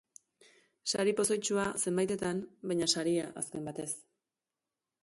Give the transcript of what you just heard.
Sari pozoitsua, zenbaitetan, baina saria, azken batez.